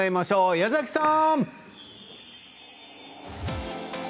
矢崎さん！